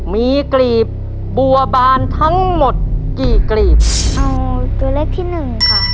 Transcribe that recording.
มีกลีบบัวบานทั้งหมดกี่กรีบเอาตัวเลขที่หนึ่งค่ะ